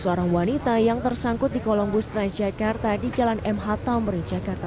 seorang wanita yang tersangkut di kolong bus transjakarta di jalan mh tamrin jakarta